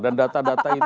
dan data data itu